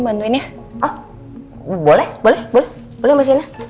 bantuin ya ah boleh boleh boleh boleh mas inah